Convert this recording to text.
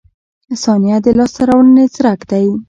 • ثانیه د لاسته راوړنې څرک دی.